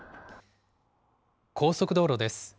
高速道路です。